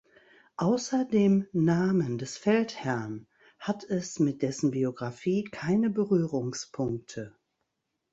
Außer dem Namen des Feldherrn hat es mit dessen Biografie keine Berührungspunkte.